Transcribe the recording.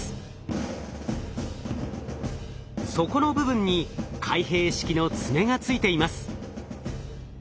底の部分に開閉式の爪がついています。